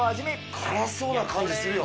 辛そうな感じするよ。